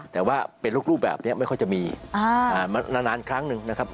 แต่ว่าเป็นรูปแบบนี้ไม่ค่อยจะมีนานครั้งหนึ่งนะครับ